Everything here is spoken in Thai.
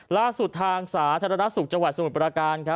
ล่าสุดทางสาธารณสุขจังหวัดสมุทรประการ